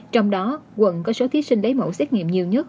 trong đó quận có số thí sinh lấy mẫu xét nghiệm nhiều nhất